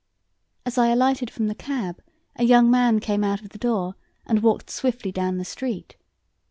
As I alighted from the cab, a young man came out of the door and walked swiftly down the street.